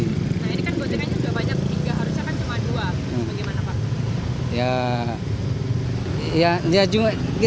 nah ini kan gojeknya sudah banyak tiga harusnya kan cuma dua